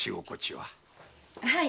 はい。